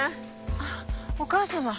あっお義母様。